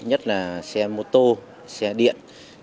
nhất là xe mô tô xe điện